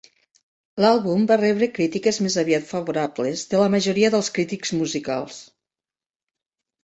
L'àlbum va rebre crítiques més aviat favorables de la majoria dels crítics musicals.